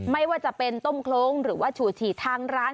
ไม่ว่าจะเป็นต้มโครงหรือว่าชูฉี่ทางร้าน